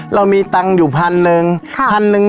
เรามีตังค์อยู่๑๐๐๐บาท